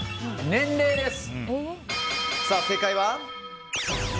年齢です！